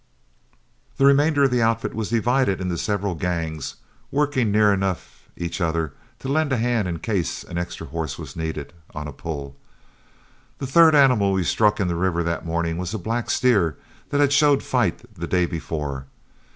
The remainder of the outfit was divided into several gangs, working near enough each other to lend a hand in case an extra horse was needed on a pull. The third animal we struck in the river that morning was the black steer that had showed fight the day before.